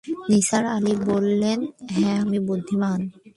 নিসার আলি বললেন, হ্যাঁ, আমি বুদ্ধিমান।